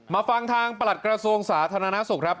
ฟังทางประหลัดกระทรวงสาธารณสุขครับ